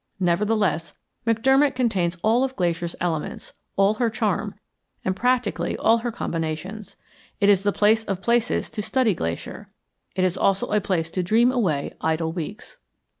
Nevertheless, McDermott contains all of Glacier's elements, all her charm, and practically all her combinations. It is the place of places to study Glacier. It is also a place to dream away idle weeks.